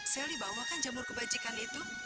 seli bawa kan jamur kebajikan itu